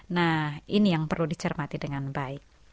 nah ini yang perlu dicermati dengan baik